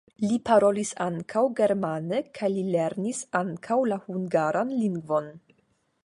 Li parolis ankaŭ germane kaj li lernis ankaŭ la hungaran lingvon.